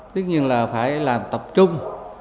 tuy nhiên là phải làm tập trung